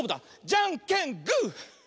じゃんけんグー！